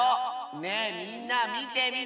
ねえみんなみてみて。